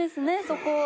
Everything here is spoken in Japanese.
そこ。